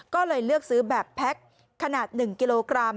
ก็เลยเลือกซื้อแบบแพ็คขนาด๑กิโลกรัม